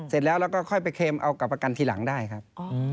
เสร็จแล้วแล้วก็ค่อยไปเค็มเอากับประกันทีหลังได้ครับ